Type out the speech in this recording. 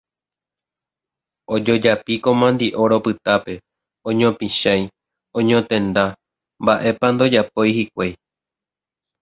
ojojapíko mandi'o ropytápe, oñopichãi, oñotenta, mba'épa ndojapói hikuái